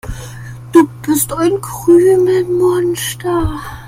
Du bist ein Krümelmonster.